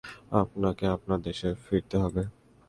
আপনাকে আপনার দেশে ফিরতে হবে!